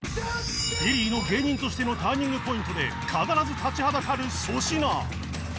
リリーの芸人としてのターニングポイントで必ず立ちはだかる粗品